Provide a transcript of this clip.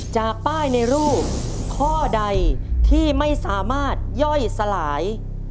จากป้ายในรูปข้อใดที่ไม่สามารถย่อยสลาย